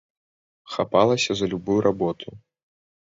Хапалася за любую работу.